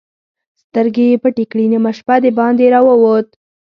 سترګې يې پټې کړې، نيمه شپه د باندې را ووت.